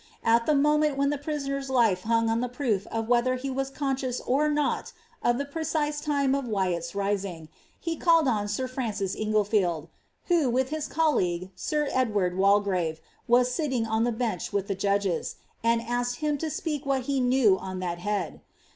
At the moment when the prisoner's life hunsr on the proof of whether he was conscious or not of the precise time of Wyatt's rising, he called on sir Francis Inglefield ' (who, with his colleague, sir Edward Walgrave, was sittiivg on the hench with the judges), and asked him to speak what he knew on tliat head.